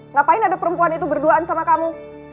ngapain ada perempuan itu berduaan sama kamu